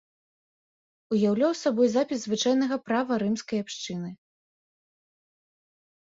Уяўляў сабой запіс звычайнага права рымскай абшчыны.